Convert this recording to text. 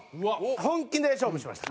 本気で勝負しました。